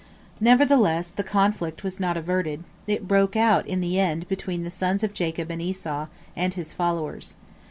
Nevertheless the conflict was not averted; it broke out in the end between the sons of Jacob and Esau and his followers.